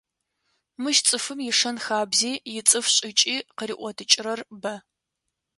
Мыщ цӏыфым ишэн - хабзи, ицӏыф шӏыкӏи къыриӏотыкӏрэр бэ.